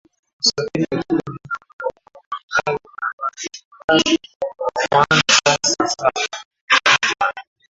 Usafiri katika maeneo hayo ni wa gari ambalo safari huanza saa saba kamili mchana